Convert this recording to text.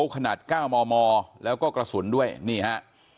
โบ๊ทขนาดก้าวมอมอแล้วก็กระสุนด้วยนี่ฮะ